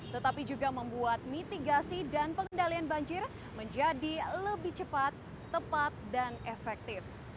tetapi juga membuat mitigasi dan pengendalian banjir menjadi lebih cepat tepat dan efektif